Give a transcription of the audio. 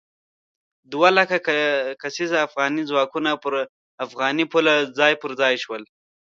دوه لک کسیز افغاني ځواکونه پر افغاني پوله ځای پر ځای شول.